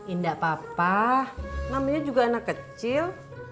indah papa namanya juga anak kecil